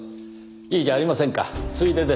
いいじゃありませんかついでです。